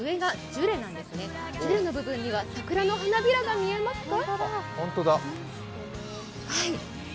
ジュレの部分には桜の花びらが見えますか？